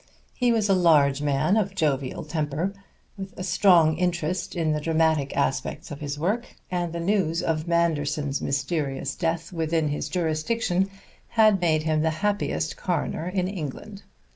He was a large man of jovial temper, with a strong interest in the dramatic aspects of his work, and the news of Manderson's mysterious death within his jurisdiction had made him the happiest coroner in England.